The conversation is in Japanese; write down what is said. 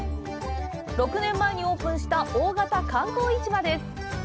６年前にオープンした大型観光市場です。